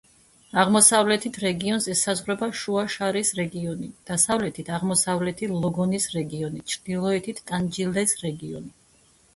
აღმოსავლეთით რეგიონს ესაზღვრება შუა შარის რეგიონი, დასავლეთით აღმოსავლეთი ლოგონის რეგიონი, ჩრდილოეთით ტანჯილეს რეგიონი.